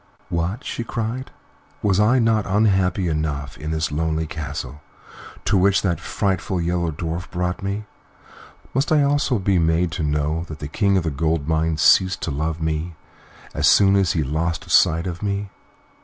"What!" she cried; "was I not unhappy enough in this lonely castle to which that frightful Yellow Dwarf brought me? Must I also be made to know that the King of the Gold Mines ceased to love me as soon as he lost sight of me?